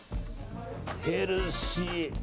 ヘルシー！